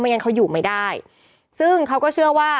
งั้นเขาอยู่ไม่ได้ซึ่งเขาก็เชื่อว่า